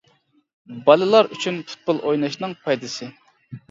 بالىلار ئۈچۈن پۇتبول ئويناشنىڭ پايدىسى